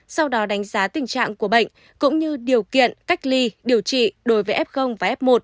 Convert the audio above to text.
sau đó đánh giá tình trạng của bệnh cũng như điều kiện cách ly điều trị đối với f và f một